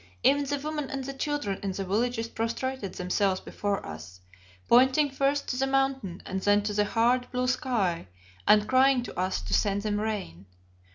Even the women and the children in the villages prostrated themselves before us, pointing first to the Mountain and then to the hard, blue sky, and crying to us to send them rain.